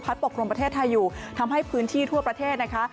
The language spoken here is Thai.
ปกครุมประเทศไทยอยู่ทำให้พื้นที่ทั่วประเทศนะคะ